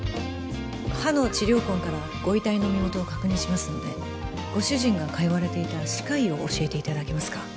歯の治療痕からご遺体の身元を確認しますのでご主人が通われていた歯科医を教えていただけますか？